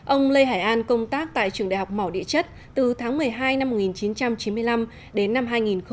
ông lê hải an công tác tại trường đại học mỏ địa chất từ tháng một mươi hai năm một nghìn chín trăm chín mươi năm đến năm hai nghìn một mươi